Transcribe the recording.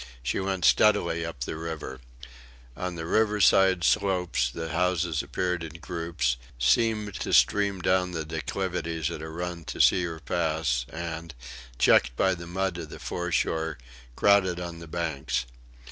She went steadily up the river. On the riverside slopes the houses appeared in groups seemed to stream down the declivities at a run to see her pass, and, checked by the mud of the foreshore, crowded on the banks.